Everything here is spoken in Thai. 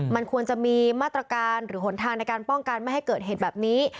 มันควรจะมีมาตรการหรือหนทางในการป้องกันไม่ให้เกิดเหตุแบบนี้